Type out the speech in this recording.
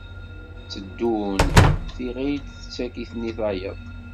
Tteddun, tiɣilt tettak-iten i tayeḍ.